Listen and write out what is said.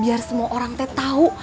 biar semua orang teh tau